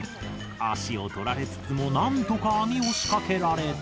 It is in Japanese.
足をとられつつも何とか網を仕掛けられた。